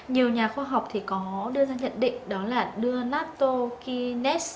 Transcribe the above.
nhiều nhà khoa học có đưa ra nhận định đó là đưa natokines